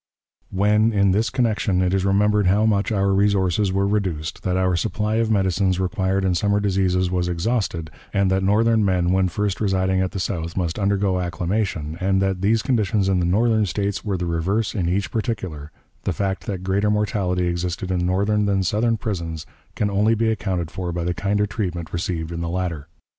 When, in this connection, it is remembered how much our resources were reduced, that our supply of medicines required in summer diseases was exhausted, and that Northern men when first residing at the South must undergo acclimation, and that these conditions in the Northern States were the reverse in each particular the fact that greater mortality existed in Northern than in Southern prisons can only be accounted for by the kinder treatment received in the latter.